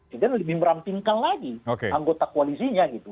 tidak lebih merampingkan lagi anggota koalisinya